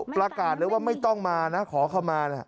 ประกาศเลยว่าไม่ต้องมานะขอเข้ามา